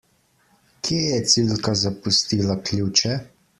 Kje je Cilka zapustila ključe?